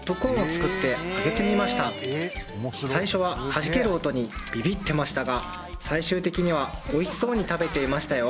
最初ははじける音にビビってましたが最終的にはおいしそうに食べていましたよ